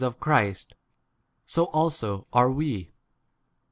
8 Christ, so also [are] we.